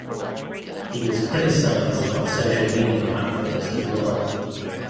He was criticised on social media platforms as well.